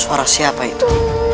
suara siapa itu